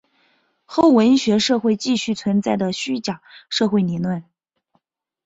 后文字社会继续存在的虚讲社会理论。